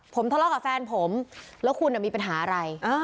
ผมทะเลาะกับแฟนผมแล้วคุณมีปัญหาอะไร